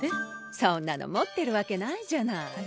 そんなの持ってるわけないじゃない。